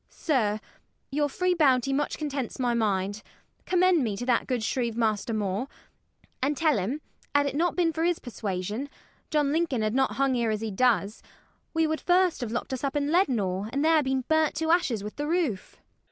DOLL. Sir, your free bounty much contents my mind. Commend me to that good shrieve Master More, And tell him, had't not been for his persuasion, John Lincoln had not hung here as he does: We would first have locked us up in Leadenhall, And there been burnt to ashes with the roof. SHERIFF.